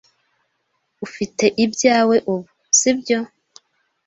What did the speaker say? Ufite ibyawe ubu, sibyo?